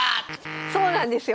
そうなんですよ。